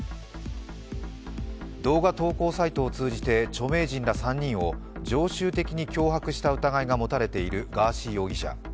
動画投稿サイトを通じて著名人ら３人を常習的に脅迫した疑いが持たれているガーシー容疑者。